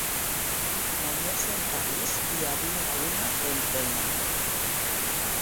Només en París hi havia una trentena.